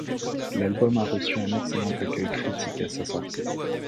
L'album a reçu un excellent accueil critique à sa sortie.